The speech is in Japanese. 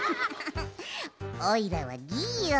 おいらはギーオン。